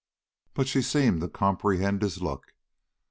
She seemed to comprehend his look.